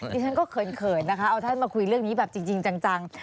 ดิฉันก็เขินนะคะเอาท่านมาคุยเรื่องนี้แบบจริงจัง